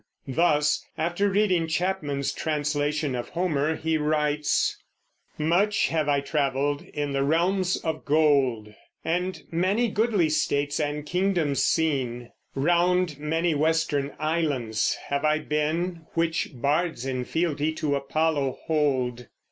Thus after reading Chapman's translation of Homer he writes: Much have I travelled in the realms of gold, And many goodly states and kingdoms seen; Round many western islands have I been Which bards in fealty to Apollo hold.